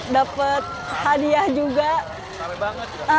dapet hadiah juga